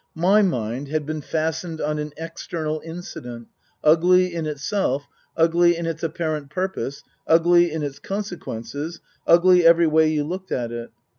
My mind had been fastened on an external incident, ugly in itself, ugly in its apparent purpose, ugly in its conse quences, ugly every way you looked at it.